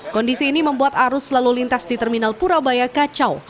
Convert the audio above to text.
kondisi ini membuat arus lalu lintas di terminal purabaya kacau